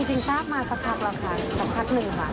จริงทราบมาสักคักแล้วค่ะสักคักนึง